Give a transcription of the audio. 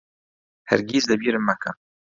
هەرگیز لەبیرم مەکە.